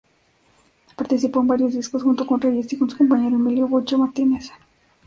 Participó en varios discos junto con Reyes y con su compañero Emilio "Bocha" Martínez.